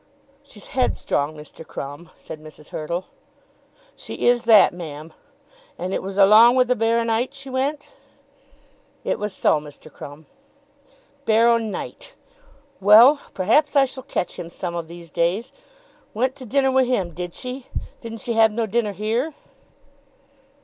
"She's headstrong, Mr. Crumb," said Mrs. Hurtle. "She is that, ma'am. And it was along wi' the baro nite she went?" "It was so, Mr. Crumb." "Baro nite! Well; perhaps I shall catch him some of these days; went to dinner wi' him, did she? Didn't she have no dinner here?"